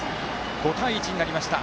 ５対１になりました。